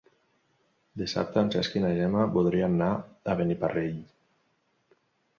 Dissabte en Cesc i na Gemma voldrien anar a Beniparrell.